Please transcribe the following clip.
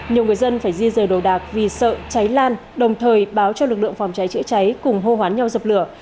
nhiều người dân phải di rời đồ đạc vì sợ cháy lan đồng thời báo cho lực lượng phòng cháy chữa cháy cùng hô hoán nhau dập lửa